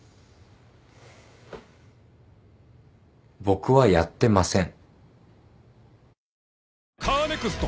僕はやってません。